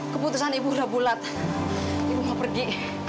keputusan ibu udah bulat ibu mau pergi